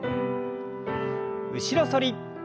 後ろ反り。